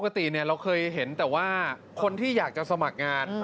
ปกติเราเคยเห็นแต่ว่าคนที่อยากจะสมัครงาน